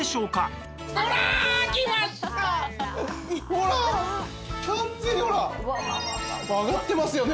ほら完全に揚がってますよね。